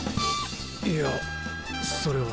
いやそれは。